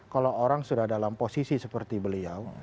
kalau orang sudah dalam posisi seperti beliau